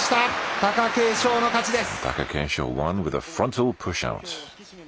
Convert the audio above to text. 貴景勝の勝ちです。